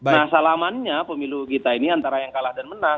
nah salamannya pemilu kita ini antara yang kalah dan menang